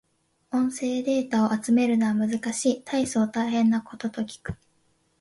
音声データを集めるのは難しい。大層大変なことと聞く。